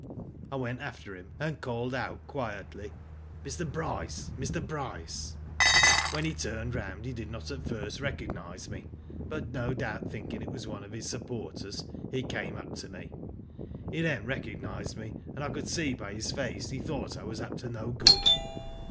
I went after him, and called out quietly :'' Mr. Bryce. Mr. Bryce. "When he turned round he did not at first recognise me, but no doubt thinking it was one of his supporters he came up to me. He then recognised me, and I could see by his face he thought I was up to no good.